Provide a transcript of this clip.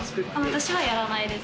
私はやらないです。